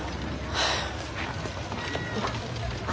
はあ。